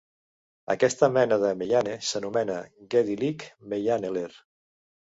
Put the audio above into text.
Aquesta mena de meyhane s'anomena "Gedikli Meyhaneler".